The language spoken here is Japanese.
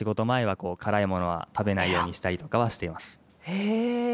へえ！